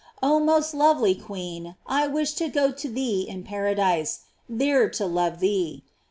Ob most lovely queen, I wish to go to thee in paradise, there to love thee.